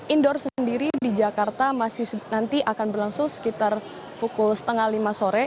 indoor sendiri di jakarta masih nanti akan berlangsung sekitar pukul setengah lima sore